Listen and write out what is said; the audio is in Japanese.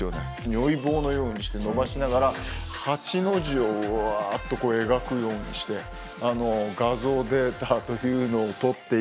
如意棒のようにして伸ばしながら８の字をうわっと描くようにして画像データというのをとっていき